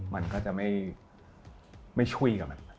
มันก็จะไม่ช่วยกับมัน